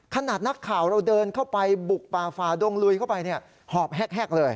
ขนาดนักข่าวเราเดินเข้าไปบุกป่าฝ่าดงลุยเข้าไปหอบแฮกเลย